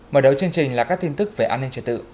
mở đầu chương trình là các tin tức về an ninh trật tự